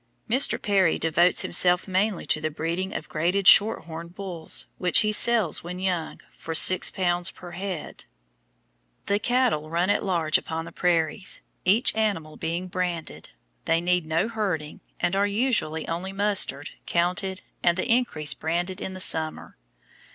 Mr. Perry devotes himself mainly to the breeding of graded shorthorn bulls, which he sells when young for L6 per head. The cattle run at large upon the prairies; each animal being branded, they need no herding, and are usually only mustered, counted, and the increase branded in the summer.